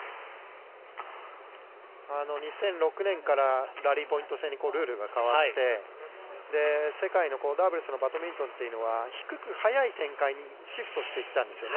２００６年からラリーポイント制にルールが変わって、世界のダブルスのバドミントンというのは、低く速い展開にシフトしていったんですよね。